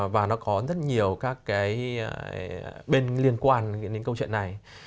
và nó có rất nhiều các cái bên liên quan đến câu chuyện này